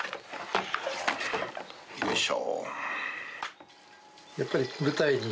よいしょ。